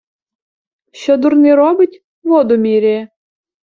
Що дурний робить? — Воду міряє.